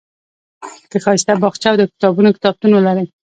که ښایسته باغچه او د کتابونو کتابتون ولرئ.